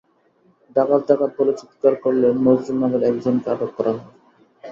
ডাকাত ডাকাত বলে চিৎকার করলে নজরুল নামের একজনকে আটক করা হয়।